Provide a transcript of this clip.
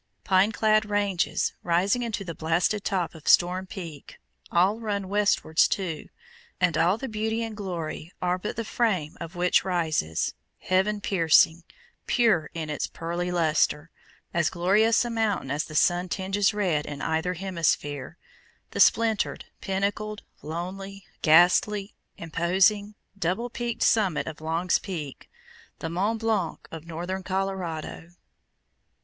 Pine clad ranges, rising into the blasted top of Storm Peak, all run westwards too, and all the beauty and glory are but the frame out of which rises heaven piercing, pure in its pearly luster, as glorious a mountain as the sun tinges red in either hemisphere the splintered, pinnacled, lonely, ghastly, imposing, double peaked summit of Long's Peak, the Mont Blanc of Northern Colorado.